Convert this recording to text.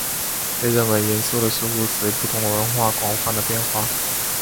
被认为严肃的事物随不同的文化广泛地变化。